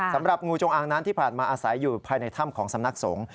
สำหรับงูจงอางนั้นที่ผ่านมาอาศัยอยู่ภายในถ้ำของสำนักสงฆ์